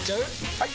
・はい！